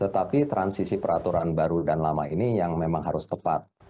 tetapi transisi peraturan baru dan lama ini yang memang harus tepat